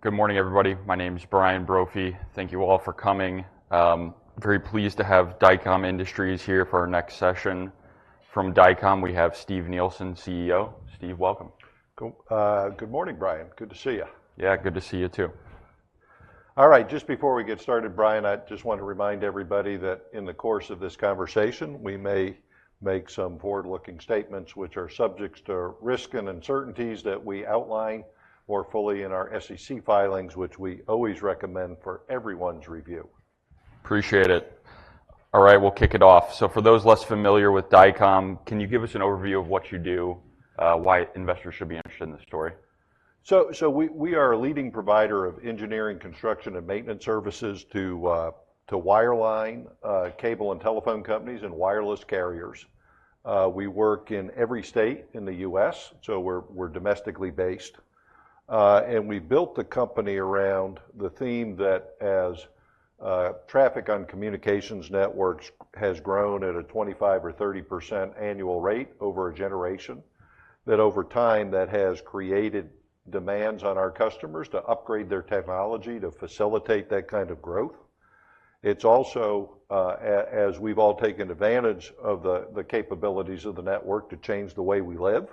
All right. Good morning, everybody. My name is Brian Brophy. Thank you all for coming. Very pleased to have Dycom Industries here for our next session. From Dycom, we have Steve Nielsen, CEO. Steve, welcome. Cool. Good morning, Brian. Good to see you. Yeah, good to see you, too. All right, just before we get started, Brian, I just want to remind everybody that in the course of this conversation, we may make some forward-looking statements which are subject to risk and uncertainties that we outline more fully in our SEC filings, which we always recommend for everyone's review. Appreciate it. All right, we'll kick it off. For those less familiar with Dycom, can you give us an overview of what you do, why investors should be interested in this story? So we are a leading provider of engineering, construction, and maintenance services to wireline, cable, and telephone companies and wireless carriers. We work in every state in the U.S., so we're domestically based. And we built the company around the theme that as traffic on communications networks has grown at a 25% or 30% annual rate over a generation, that over time, that has created demands on our customers to upgrade their technology to facilitate that kind of growth. It's also as we've all taken advantage of the capabilities of the network to change the way we live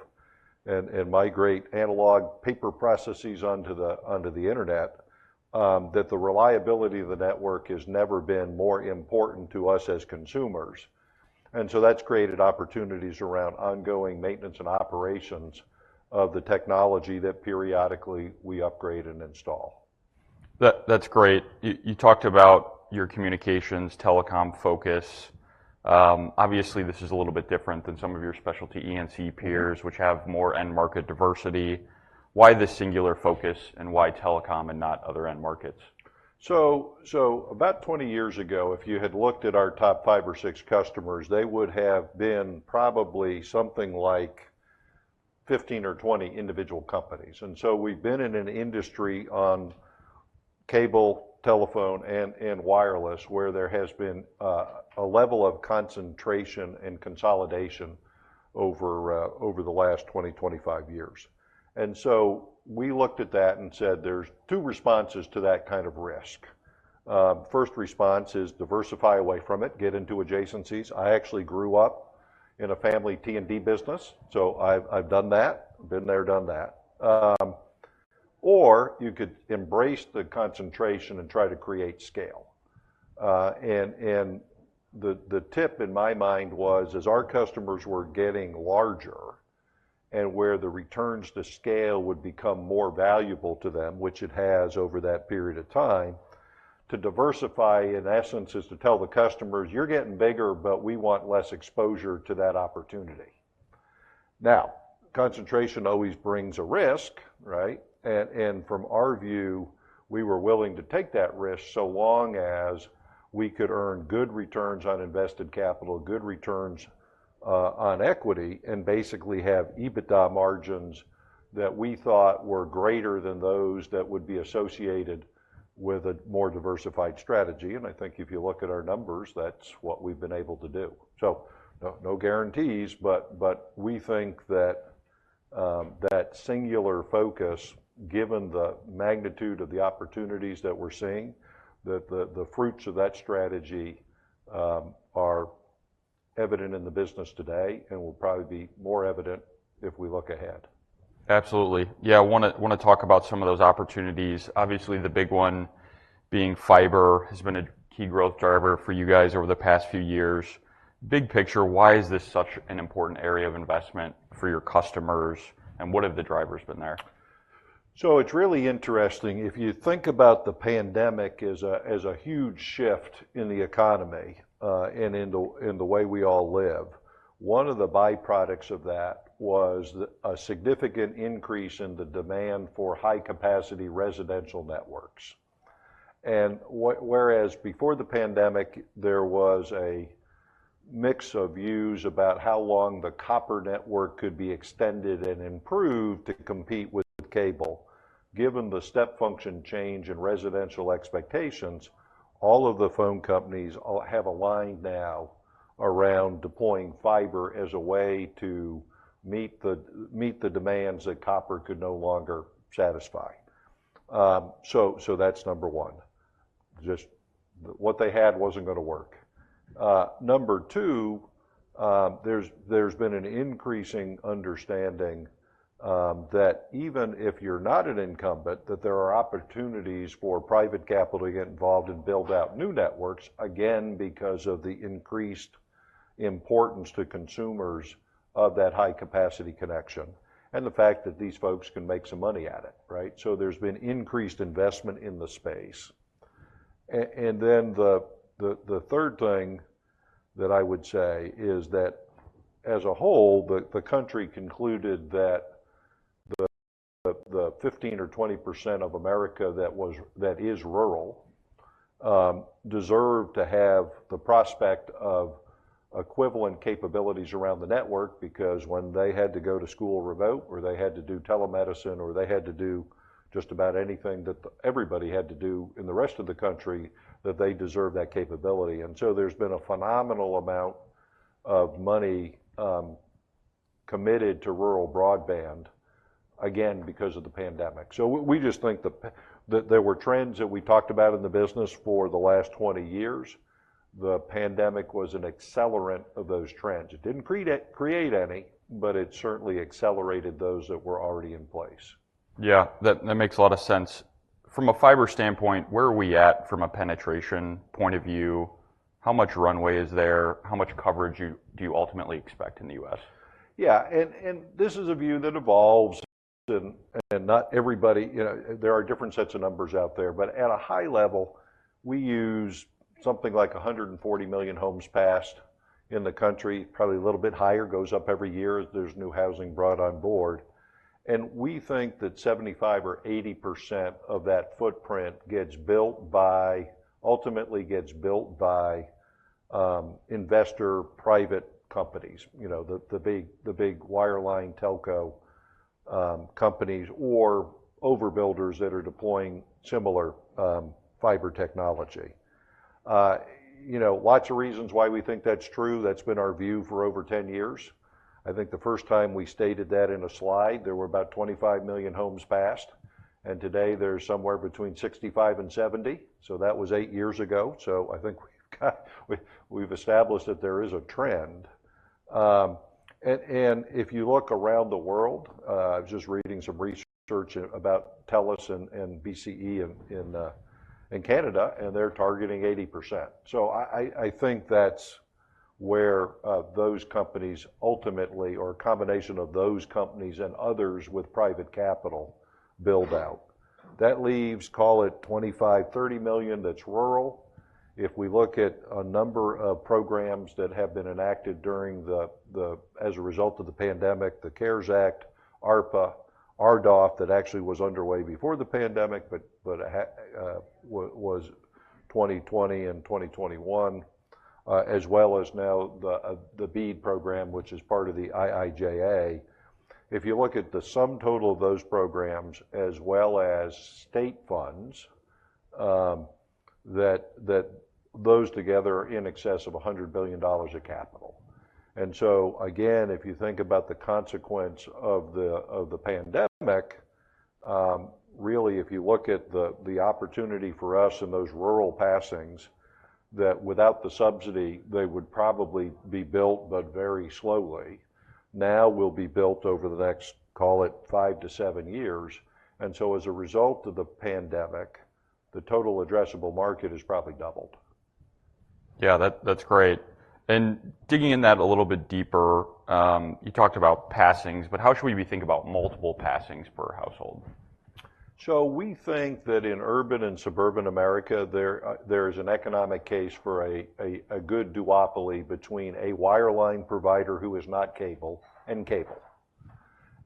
and migrate analog paper processes onto the Internet, that the reliability of the network has never been more important to us as consumers. That's created opportunities around ongoing maintenance and operations of the technology that periodically we upgrade and install. That's great. You talked about your communications, telecom focus. Obviously, this is a little bit different than some of your specialty E&C peers, which have more end-market diversity. Why this singular focus, and why telecom and not other end markets? So about 20 years ago, if you had looked at our top five or six customers, they would have been probably something like 15 or 20 individual companies. And so we've been in an industry on cable, telephone, and wireless, where there has been a level of concentration and consolidation over the last 20, 25 years. And so we looked at that and said, there's two responses to that kind of risk. First response is diversify away from it, get into adjacencies. I actually grew up in a family T&D business, so I've done that. Been there, done that. Or you could embrace the concentration and try to create scale. The tip in my mind was, as our customers were getting larger and where the returns to scale would become more valuable to them, which it has over that period of time, to diversify, in essence, is to tell the customers, "You're getting bigger, but we want less exposure to that opportunity." Now, concentration always brings a risk, right? And from our view, we were willing to take that risk so long as we could earn good returns on invested capital, good returns on equity, and basically have EBITDA margins that we thought were greater than those that would be associated with a more diversified strategy. And I think if you look at our numbers, that's what we've been able to do. So no, no guarantees, but we think that singular focus, given the magnitude of the opportunities that we're seeing, that the fruits of that strategy are evident in the business today and will probably be more evident if we look ahead. Absolutely. Yeah, I wanna talk about some of those opportunities. Obviously, the big one being fiber has been a key growth driver for you guys over the past few years. Big picture, why is this such an important area of investment for your customers, and what have the drivers been there? It's really interesting. If you think about the pandemic as a huge shift in the economy, and in the way we all live, one of the byproducts of that was a significant increase in the demand for high-capacity residential networks. Whereas before the pandemic, there was a mix of views about how long the copper network could be extended and improved to compete with cable. Given the step function change in residential expectations, all of the phone companies all have aligned now around deploying fiber as a way to meet the demands that copper could no longer satisfy. That's number 1, just what they had wasn't gonna work. Number two, there's been an increasing understanding that even if you're not an incumbent, that there are opportunities for private capital to get involved and build out new networks, again, because of the increased importance to consumers of that high-capacity connection and the fact that these folks can make some money at it, right? So there's been increased investment in the space. and then the third thing that I would say is that, as a whole, the country concluded that the 15% or 20% of America that is rural deserve to have the prospect of equivalent capabilities around the network, because when they had to go to school remote or they had to do telemedicine, or they had to do just about anything that everybody had to do in the rest of the country, that they deserve that capability. And so there's been a phenomenal amount of money committed to rural broadband, again, because of the pandemic. So we just think that there were trends that we talked about in the business for the last 20 years. The pandemic was an accelerant of those trends. It didn't create any, but it certainly accelerated those that were already in place. Yeah, that, that makes a lot of sense. From a fiber standpoint, where are we at from a penetration point of view? How much runway is there? How much coverage do you ultimately expect in the U.S.? Yeah, this is a view that evolves, and not everybody, you know, there are different sets of numbers out there. But at a high level, we use something like 140 million homes passed in the country, probably a little bit higher, goes up every year as there's new housing brought on board. And we think that 75% or 80% of that footprint gets built by—ultimately gets built by investor private companies. You know, the big wireline telco companies or overbuilders that are deploying similar fiber technology. You know, lots of reasons why we think that's true. That's been our view for over 10 years. I think the first time we stated that in a slide, there were about 25 million homes passed, and today there's somewhere between 65 and 70. So that was eight years ago, so I think we've got, we've established that there is a trend. And if you look around the world, I was just reading some research about TELUS and BCE in Canada, and they're targeting 80%. So I think that's where those companies ultimately, or a combination of those companies and others with private capital, build out. That leaves, call it, 25 to 30 million, that's rural. If we look at a number of programs that have been enacted during the as a result of the pandemic, the CARES Act, ARPA, RDOF, that actually was underway before the pandemic, but was 2020 and 2021, as well as now the BEAD program, which is part of the IIJA. If you look at the sum total of those programs as well as state funds, those together are in excess of $100 billion of capital. And so, again, if you think about the consequence of the pandemic, really, if you look at the opportunity for us in those rural passings, that without the subsidy, they would probably be built, but very slowly. Now, will be built over the next, call it, five to seven years. And so as a result of the pandemic, the total addressable market has probably doubled. Yeah, that's great. And digging in that a little bit deeper, you talked about passings, but how should we be thinking about multiple passings per household? So we think that in urban and suburban America, there is an economic case for a good duopoly between a wireline provider who is not cable and cable.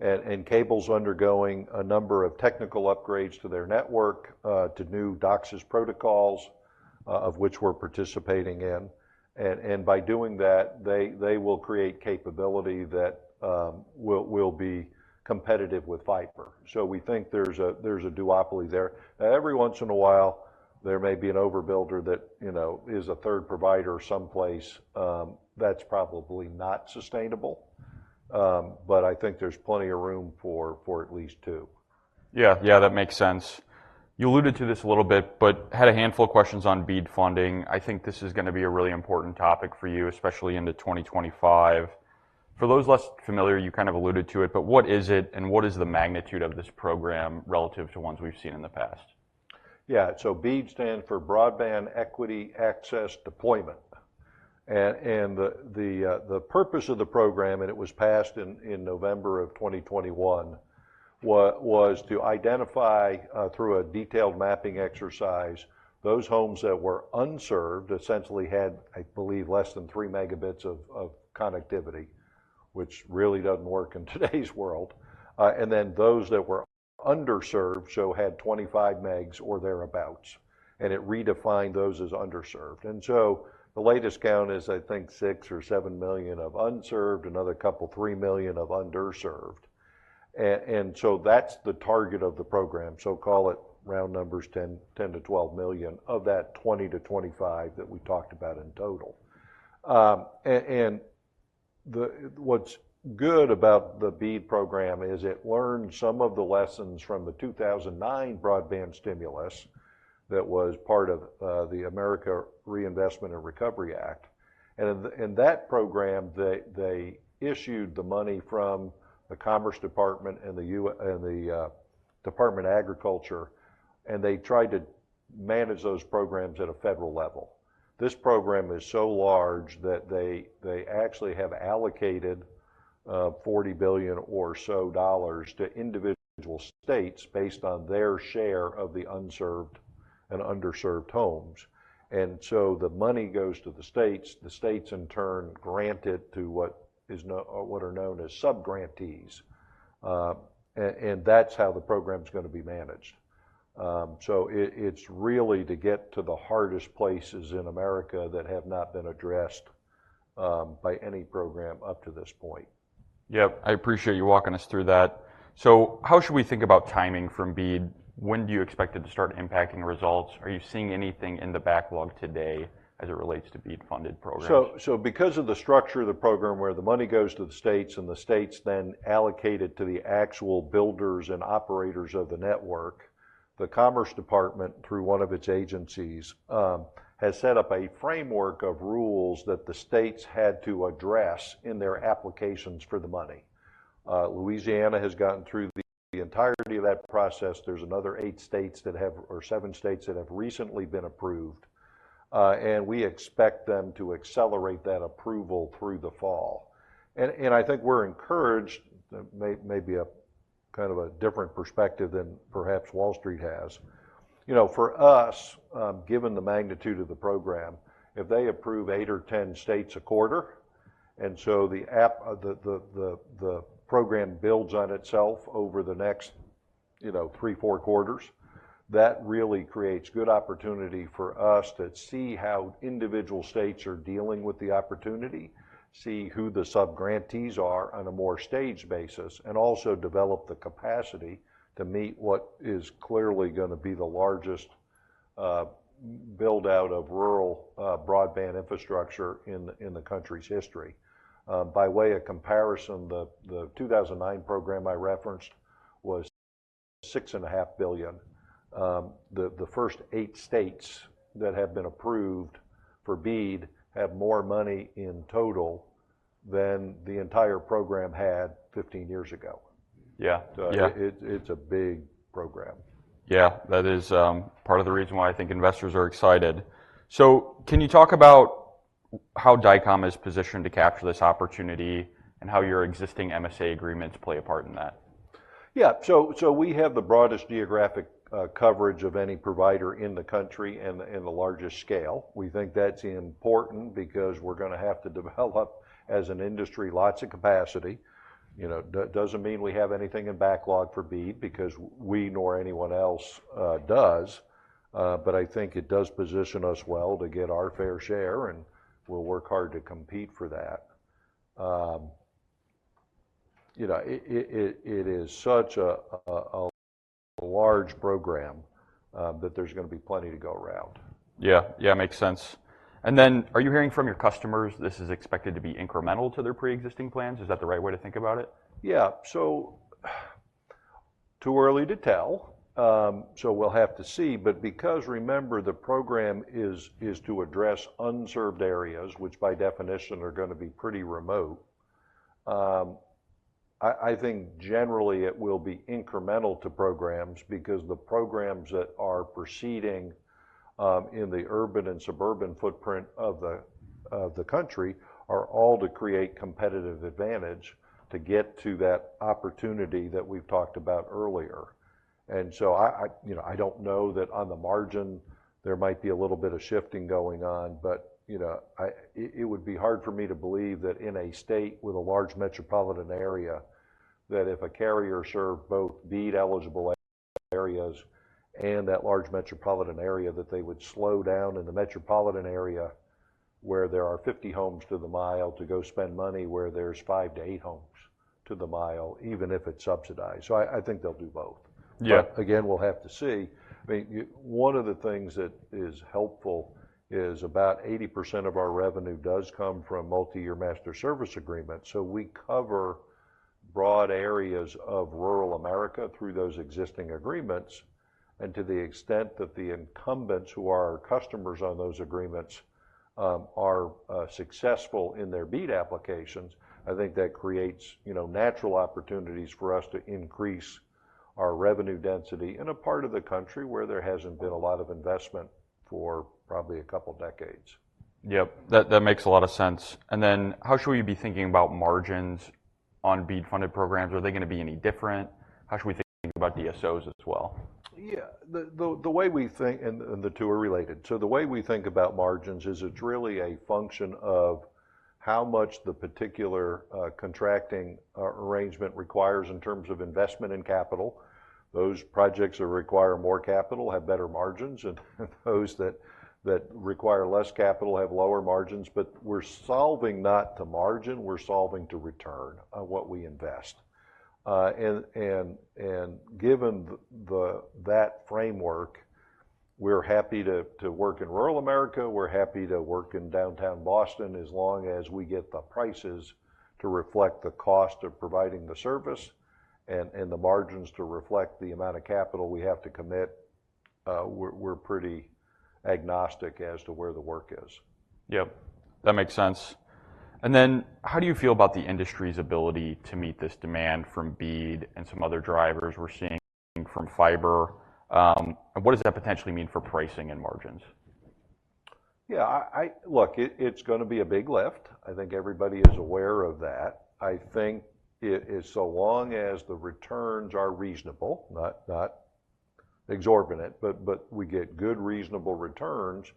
And cable's undergoing a number of technical upgrades to their network, to new DOCSIS protocols, of which we're participating in. And by doing that, they will create capability that will be competitive with fiber. So we think there's a duopoly there. Now, every once in a while, there may be an overbuilder that, you know, is a third provider someplace. That's probably not sustainable, but I think there's plenty of room for at least two. Yeah. Yeah, that makes sense. You alluded to this a little bit, but had a handful of questions on BEAD funding. I think this is gonna be a really important topic for you, especially into 2025. For those less familiar, you kind of alluded to it, but what is it, and what is the magnitude of this program relative to ones we've seen in the past? Yeah, so BEAD stands for Broadband Equity Access Deployment. And the purpose of the program, and it was passed in November of 2021, was to identify through a detailed mapping exercise those homes that were unserved, essentially had, I believe, less than three megabits of connectivity, which really doesn't work in today's world. And then those that were underserved, so had 25 megs or thereabout, and it redefined those as underserved. And so the latest count is, I think, 6 or 7 million unserved, another 2 or 3 million underserved. And so that's the target of the program. So call it round numbers, 10 to 12 million of that 20 to 25 that we talked about in total. And what's good about the BEAD program is it learned some of the lessons from the 2009 broadband stimulus that was part of the American Recovery and Reinvestment Act. And in that program, they issued the money from the Commerce Department and the U- and the Department of Agriculture, and they tried to manage those programs at a federal level. This program is so large that they actually have allocated $40 billion or so dollars to individual states based on their share of the unserved and underserved homes. And so the money goes to the states. The states, in turn, grant it to what are known as subgrantees. And that's how the program's gonna be managed. So it's really to get to the hardest places in America that have not been addressed by any program up to this point.... Yep, I appreciate you walking us through that. So how should we think about timing from BEAD? When do you expect it to start impacting results? Are you seeing anything in the backlog today as it relates to BEAD-funded programs? So because of the structure of the program, where the money goes to the states, and the states then allocate it to the actual builders and operators of the network, the Commerce Department, through one of its agencies, has set up a framework of rules that the states had to address in their applications for the money. Louisiana has gotten through the entirety of that process. There's another eight states that have, or seven states that have recently been approved, and we expect them to accelerate that approval through the fall. I think we're encouraged, may be a kind of a different perspective than perhaps Wall Street has. You know, for us, given the magnitude of the program, if they approve eight or 10 states a quarter, and so the program builds on itself over the next, you know, three or four quarters, that really creates good opportunity for us to see how individual states are dealing with the opportunity, see who the subgrantees are on a more stage basis, and also develop the capacity to meet what is clearly gonna be the largest build-out of rural broadband infrastructure in the country's history. By way of comparison, the 2009 program I referenced was $6.5 billion. The first eight states that have been approved for BEAD have more money in total than the entire program had 15 years ago. Yeah. Yeah. It's a big program. Yeah, that is, part of the reason why I think investors are excited. So can you talk about how Dycom is positioned to capture this opportunity, and how your existing MSA agreements play a part in that? Yeah. So we have the broadest geographic coverage of any provider in the country and the largest scale. We think that's important because we're gonna have to develop, as an industry, lots of capacity. You know, doesn't mean we have anything in backlog for BEAD, because we nor anyone else does. But I think it does position us well to get our fair share, and we'll work hard to compete for that. You know, it is such a large program that there's gonna be plenty to go around. Yeah. Yeah, makes sense. And then, are you hearing from your customers this is expected to be incremental to their pre-existing plans? Is that the right way to think about it? Yeah. So too early to tell, so we'll have to see. But because, remember, the program is to address unserved areas, which by definition are gonna be pretty remote, I think generally it will be incremental to programs, because the programs that are proceeding in the urban and suburban footprint of the country are all to create competitive advantage to get to that opportunity that we've talked about earlier. And so I... You know, I don't know that on the margin there might be a little bit of shifting going on, but, you know, it would be hard for me to believe that in a state with a large metropolitan area, that if a carrier served both BEAD-eligible areas and that large metropolitan area, that they would slow down in the metropolitan area, where there are 50 homes to the mile, to go spend money where there's five to eight homes to the mile, even if it's subsidized. So I think they'll do both. Yeah. But again, we'll have to see. I mean, one of the things that is helpful is about 80% of our revenue does come from multiyear master service agreements, so we cover broad areas of rural America through those existing agreements. And to the extent that the incumbents, who are our customers on those agreements, are successful in their BEAD applications, I think that creates, you know, natural opportunities for us to increase our revenue density in a part of the country where there hasn't been a lot of investment for probably a couple decades. Yep, that, that makes a lot of sense. And then, how should we be thinking about margins on BEAD-funded programs? Are they gonna be any different? How should we think about DSOs as well? Yeah. The way we think... And the two are related. So the way we think about margins is, it's really a function of how much the particular contracting arrangement requires in terms of investment and capital. Those projects that require more capital have better margins, and those that require less capital have lower margins. But we're solving not to margin, we're solving to return on what we invest. And given that framework, we're happy to work in rural America, we're happy to work in downtown Boston, as long as we get the prices to reflect the cost of providing the service and the margins to reflect the amount of capital we have to commit. We're pretty agnostic as to where the work is. Yep, that makes sense. How do you feel about the industry's ability to meet this demand from BEAD and some other drivers we're seeing from fiber? What does that potentially mean for pricing and margins? Yeah, Look, it's gonna be a big lift. I think everybody is aware of that. I think it so long as the returns are reasonable, not exorbitant, but we get good, reasonable returns,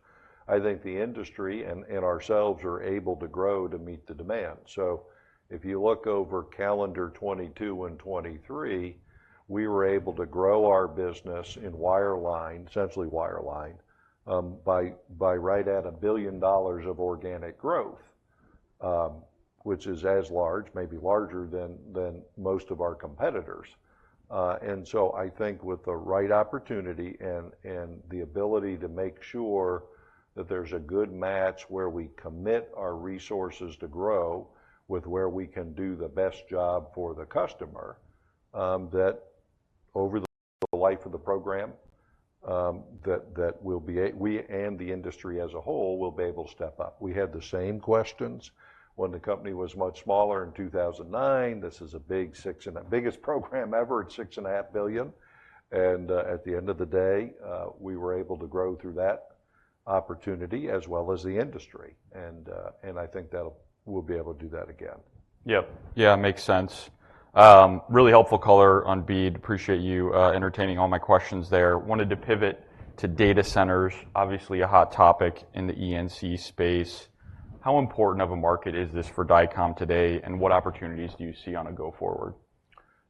I think the industry and ourselves are able to grow to meet the demand. So if you look over calendar 2022 and 2023, we were able to grow our business in wireline, essentially wireline, by right at $1 billion of organic growth, which is as large, maybe larger than most of our competitors. And so I think with the right opportunity and the ability to make sure that there's a good match where we commit our resources to grow, with where we can do the best job for the customer, that over the life of the program, that we and the industry as a whole will be able to step up. We had the same questions when the company was much smaller in 2009. This is the biggest program ever at $6.5 billion, and at the end of the day, we were able to grow through that opportunity as well as the industry. And I think that we'll be able to do that again. Yep. Yeah, makes sense. Really helpful color on BEAD. Appreciate you entertaining all my questions there. Wanted to pivot to data centers, obviously a hot topic in the ENC space. How important of a market is this for Dycom today, and what opportunities do you see on a go forward?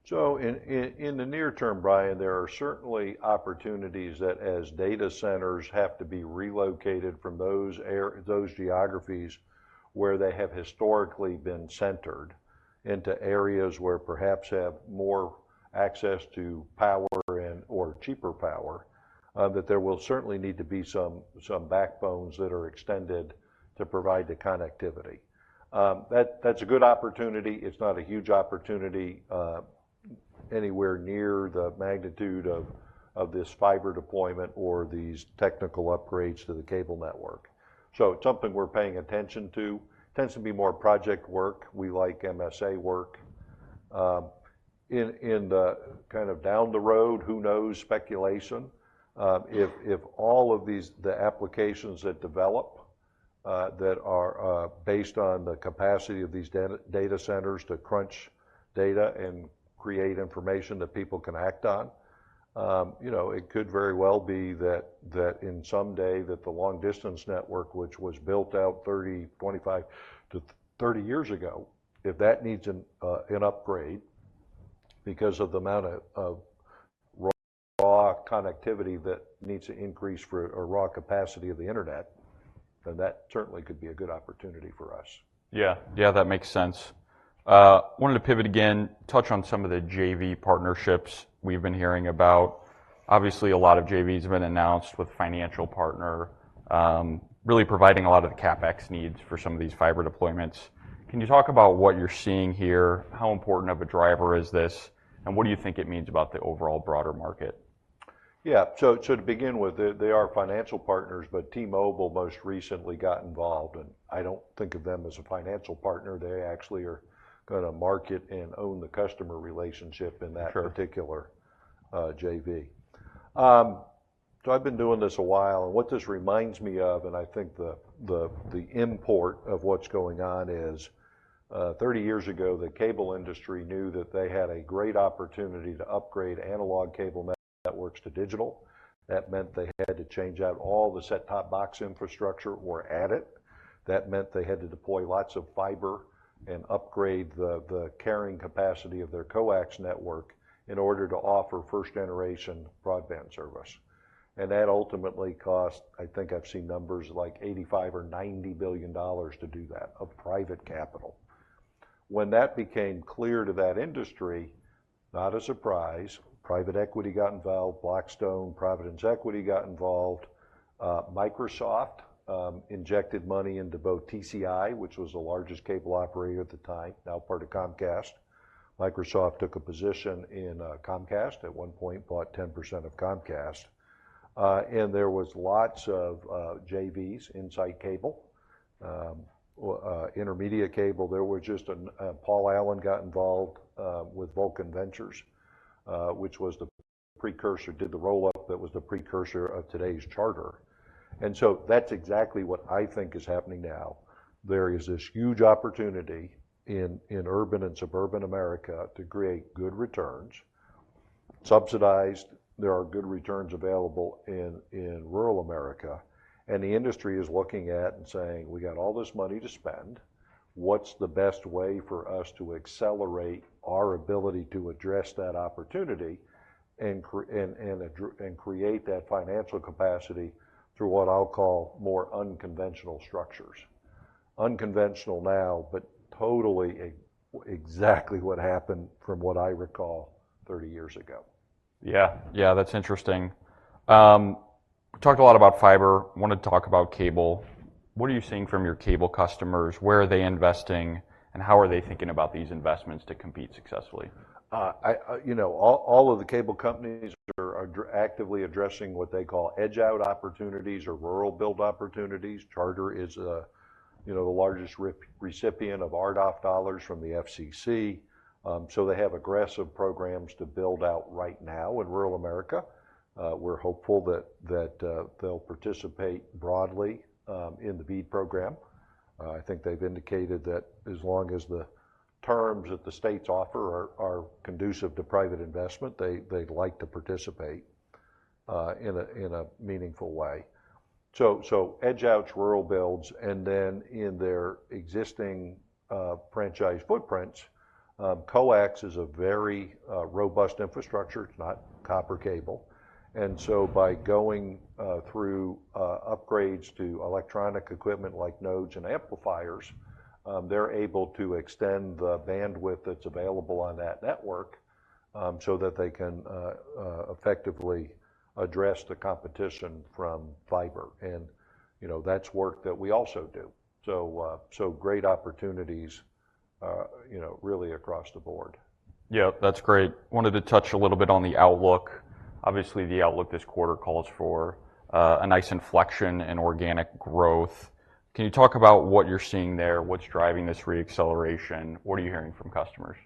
So in the near term, Brian, there are certainly opportunities that as data centers have to be relocated from those geographies where they have historically been centered, into areas where perhaps have more access to power and/or cheaper power, that there will certainly need to be some backbones that are extended to provide the connectivity. That, that's a good opportunity. It's not a huge opportunity, anywhere near the magnitude of this fiber deployment or these technical upgrades to the cable network. So it's something we're paying attention to. Tends to be more project work. We like MSA work. In the kind of down the road, who knows, speculation, if all of these applications that develop that are based on the capacity of these data centers to crunch data and create information that people can act on, you know, it could very well be that in some day that the long distance network, which was built out 25 to 30 years ago, if that needs an upgrade because of the amount of raw connectivity that needs to increase for a raw capacity of the internet, then that certainly could be a good opportunity for us. Yeah. Yeah, that makes sense. Wanted to pivot again, touch on some of the JV partnerships we've been hearing about. Obviously, a lot of JVs have been announced with financial partner, really providing a lot of the CapEx needs for some of these fiber deployments. Can you talk about what you're seeing here? How important of a driver is this, and what do you think it means about the overall broader market? Yeah, so to begin with, they are financial partners, but T-Mobile most recently got involved, and I don't think of them as a financial partner. They actually are gonna market and own the customer relationship in that- Sure... particular JV. So I've been doing this a while, and what this reminds me of, and I think the import of what's going on is, 30 years ago, the cable industry knew that they had a great opportunity to upgrade analog cable networks to digital. That meant they had to change out all the set-top box infrastructure or add it. That meant they had to deploy lots of fiber and upgrade the carrying capacity of their coax network in order to offer first-generation broadband service. And that ultimately cost, I think I've seen numbers like $85 billion or $90 billion to do that, of private capital. When that became clear to that industry, not a surprise, private equity got involved. Blackstone, Providence Equity got involved. Microsoft injected money into both TCI, which was the largest cable operator at the time, now part of Comcast. Microsoft took a position in Comcast, at one point bought 10% of Comcast. And there was lots of JVs, Insight Cable, InterMedia Cable. There was just Paul Allen got involved with Vulcan Ventures, which was the precursor, did the roll-up that was the precursor of today's Charter. And so that's exactly what I think is happening now. There is this huge opportunity in urban and suburban America to create good returns. Subsidized, there are good returns available in rural America, and the industry is looking at and saying, "We got all this money to spend. What's the best way for us to accelerate our ability to address that opportunity and create that financial capacity through what I'll call more unconventional structures? Unconventional now, but totally exactly what happened from what I recall thirty years ago. Yeah. Yeah, that's interesting. We talked a lot about fiber. Wanted to talk about cable. What are you seeing from your cable customers? Where are they investing, and how are they thinking about these investments to compete successfully? You know, all of the cable companies are actively addressing what they call edge-out opportunities or rural build opportunities. Charter is, you know, the largest recipient of RDOF dollars from the FCC. So they have aggressive programs to build out right now in rural America. We're hopeful that they'll participate broadly in the BEAD program. I think they've indicated that as long as the terms that the states offer are conducive to private investment, they'd like to participate in a meaningful way. So edge-outs, rural builds, and then in their existing franchise footprints. Coax is a very robust infrastructure. It's not copper cable. And so by going through upgrades to electronic equipment like nodes and amplifiers, they're able to extend the bandwidth that's available on that network, so that they can effectively address the competition from fiber. And, you know, that's work that we also do. So, so great opportunities, you know, really across the board. Yeah, that's great. Wanted to touch a little bit on the outlook. Obviously, the outlook this quarter calls for a nice inflection in organic growth. Can you talk about what you're seeing there? What's driving this reacceleration? What are you hearing from customers?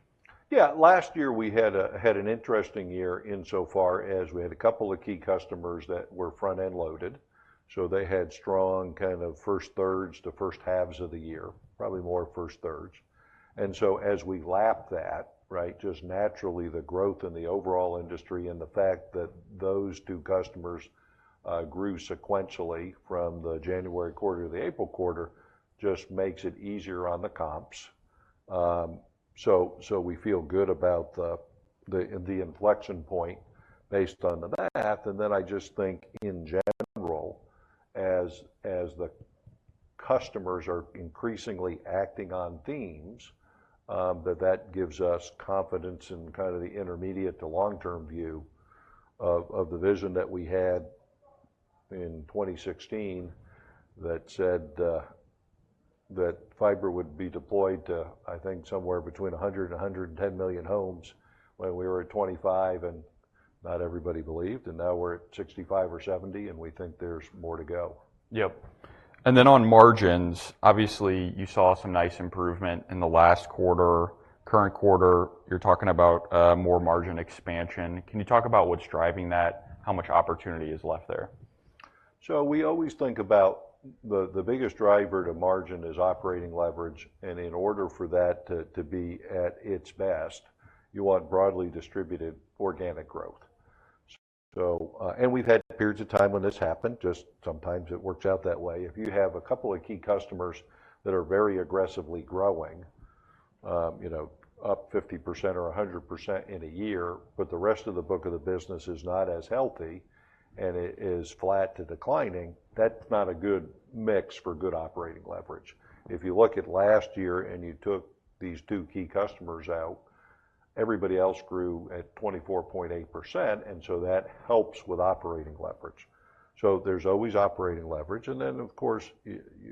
Yeah, last year, we had an interesting year insofar as we had a couple of key customers that were front-end loaded, so they had strong kind of first thirds to first halves of the year, probably more first thirds. And so as we lap that, right, just naturally, the growth in the overall industry and the fact that those two customers grew sequentially from the January quarter to the April quarter just makes it easier on the comps. So we feel good about the inflection point based on the math. And then I just think in general, as the customers are increasingly acting on themes, that gives us confidence in kind of the intermediate to long-term view of the vision that we had in 2016 that said that fiber would be deployed to, I think, somewhere between 100 and 110 million homes, when we were at 25, and not everybody believed, and now we're at 65 or 70, and we think there's more to go. Yep. And then on margins, obviously, you saw some nice improvement in the last quarter. Current quarter, you're talking about more margin expansion. Can you talk about what's driving that? How much opportunity is left there? So we always think about the biggest driver to margin is operating leverage, and in order for that to be at its best, you want broadly distributed organic growth. So, and we've had periods of time when this happened, just sometimes it works out that way. If you have a couple of key customers that are very aggressively growing, you know, up 50% or 100% in a year, but the rest of the book of the business is not as healthy and it is flat to declining, that's not a good mix for good operating leverage. If you look at last year and you took these two key customers out, everybody else grew at 24.8%, and so that helps with operating leverage. So there's always operating leverage, and then, of course,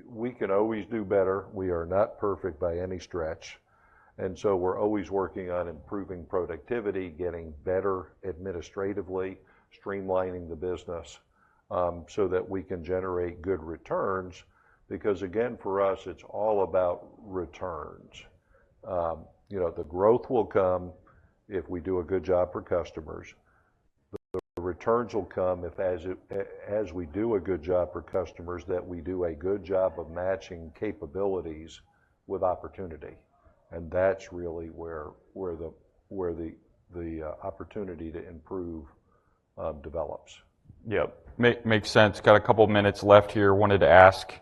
we can always do better. We are not perfect by any stretch, and so we're always working on improving productivity, getting better administratively, streamlining the business, so that we can generate good returns because, again, for us, it's all about returns. You know, the growth will come if we do a good job for customers. The returns will come as we do a good job for customers, that we do a good job of matching capabilities with opportunity, and that's really where the opportunity to improve develops. Yep, makes sense. Got a couple of minutes left here. Wanted to ask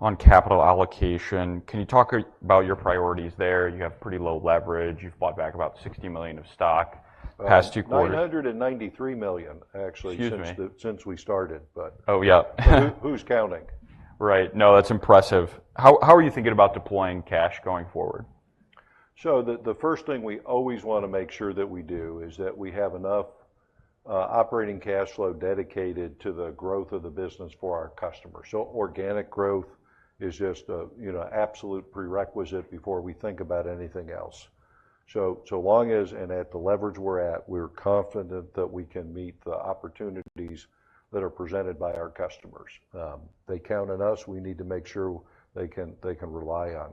on capital allocation, can you talk about your priorities there? You have pretty low leverage. You've bought back about $60 million of stock the past two quarters. $993 million, actually- Excuse me... since we started, but- Oh, yeah. But who, who's counting? Right. No, that's impressive. How, how are you thinking about deploying cash going forward? So the first thing we always wanna make sure that we do is that we have enough operating cash flow dedicated to the growth of the business for our customers. So organic growth is just a, you know, absolute prerequisite before we think about anything else. So long as, and at the leverage we're at, we're confident that we can meet the opportunities that are presented by our customers. They count on us. We need to make sure they can rely on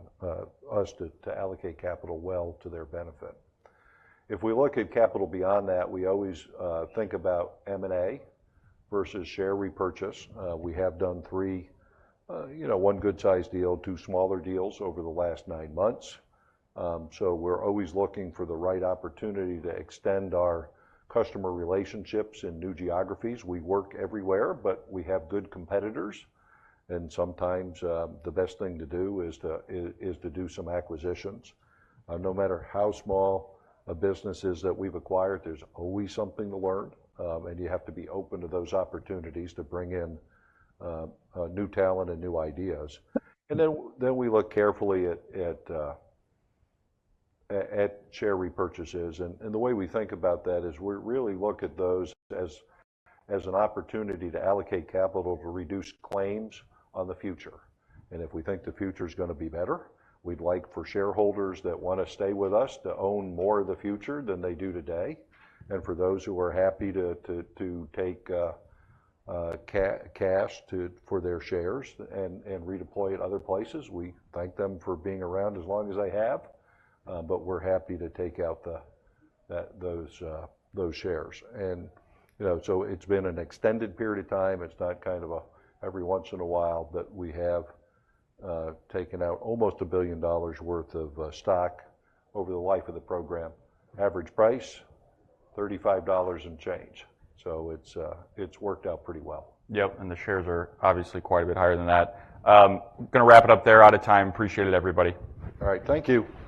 us to allocate capital well to their benefit. If we look at capital beyond that, we always think about M&A versus share repurchase. We have done three, you know, one good-sized deal, two smaller deals over the last nine months. So we're always looking for the right opportunity to extend our customer relationships in new geographies. We work everywhere, but we have good competitors, and sometimes the best thing to do is to do some acquisitions. No matter how small a business is that we've acquired, there's always something to learn, and you have to be open to those opportunities to bring in new talent and new ideas. And then we look carefully at share repurchases, and the way we think about that is we really look at those as an opportunity to allocate capital to reduce claims on the future. And if we think the future's gonna be better, we'd like for shareholders that wanna stay with us to own more of the future than they do today. For those who are happy to take cash for their shares and redeploy it other places, we thank them for being around as long as they have, but we're happy to take out those shares. You know, so it's been an extended period of time. It's not kind of every once in a while, but we have taken out almost $1 billion worth of stock over the life of the program. Average price, $35 and change. So it's worked out pretty well. Yep, and the shares are obviously quite a bit higher than that. Gonna wrap it up there, out of time. Appreciate it, everybody. All right. Thank you.